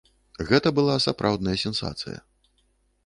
Гэта была сапраўдная сенсацыя.